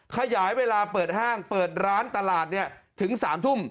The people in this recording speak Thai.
ขยายเวลาเปิดห้างเปิดร้านตลาดถึง๓ทุ่ม